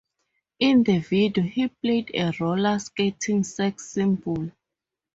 In the video, he played a roller-skating sex symbol.